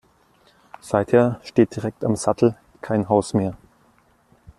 Seither steht direkt am Sattel kein Haus mehr.